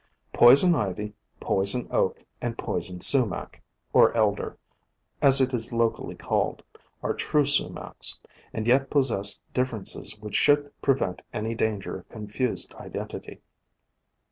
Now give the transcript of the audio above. Poison Ivy, Poison Oak, and Poison Sumac, or Elder, as it is locally called, are true Sumacs, and yet possess differences which should prevent any danger of confused identity.